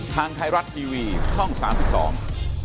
ทางไทรัตท์ทีวีช่อง๓๒